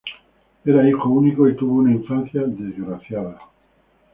Era hijo único, y tuvo una infancia desgraciada.